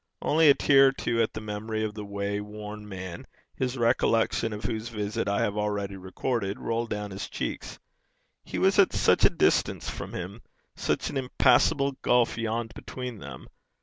Only a tear or two at the memory of the wayworn man, his recollection of whose visit I have already recorded, rolled down his cheeks. He was at such a distance from him! such an impassable gulf yawned between them!